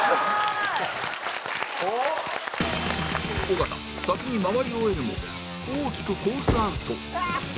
尾形先に回り終えるも大きくコースアウト